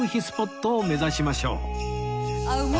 スポットを目指しましょう